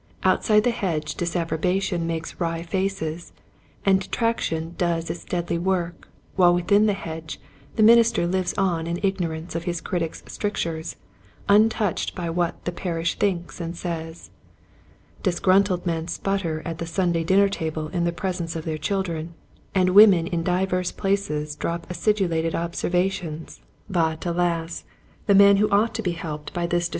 Outside the hedge disapprobation makes wry faces and de traction does its deadly work while within the hedge the minister lives on in ignor ance of his critics' strictures, untouched by what the parish thinks and says. Disgruntled men sputter at the Sunday dinner table in the presence of their chil dren, and women in divers places drop acidulated observations, but, alas, the man who ought to be helped by this dis A Mirror for Ministers.